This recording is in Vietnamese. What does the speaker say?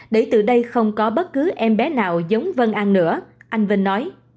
để từ đây không có bất cứ em bé nào giống vân ăn nữa anh vinh nói